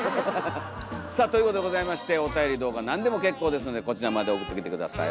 さあということでございましておたより動画なんでも結構ですのでこちらまで送ってきて下さい。